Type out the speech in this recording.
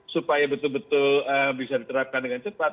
supaya betul betul bisa diterapkan dengan cepat